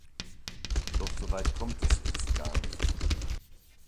Doch soweit kommt es erst gar nicht.